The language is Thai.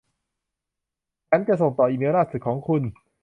ฉันจะส่งต่ออีเมลล่าสุดของคุณ